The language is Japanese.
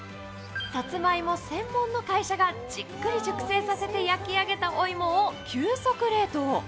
さつまいも専門の会社がじっくり熟成させて焼き上げたお芋を急速冷凍。